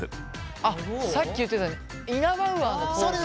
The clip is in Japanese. あっさっき言ってたイナバウアーのポーズだ。